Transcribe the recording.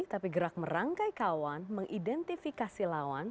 tapi gerak merangkai kawan mengidentifikasi lawan